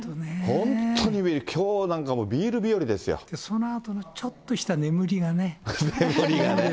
きょうなんかもう、ビール日和でそのあとのちょっとした眠り眠りがね。